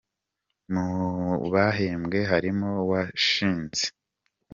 Mu bahembwe harimo washinze